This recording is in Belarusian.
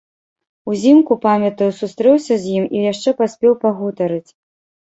Узімку, памятаю, сустрэўся з ім і яшчэ паспеў пагутарыць.